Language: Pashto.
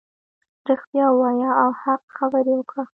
رښتیا ووایه او حق خبرې وکړه .